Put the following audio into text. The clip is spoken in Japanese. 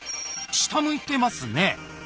下向いてますね。